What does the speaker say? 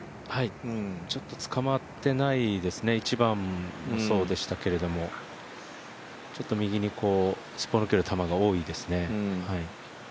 ちょっとつかまっていないですね、１番もそうでしたけど、ちょっと右にすっぽ抜ける球が多いですね。